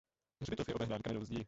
Hřbitov je obehnán kamennou zdí.